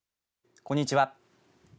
こんにちは。